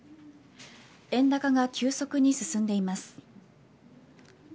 円高が急速に進んでいます。